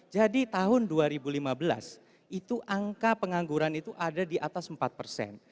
jadi tahun dua ribu lima belas itu angka pengangguran itu ada di atas empat persen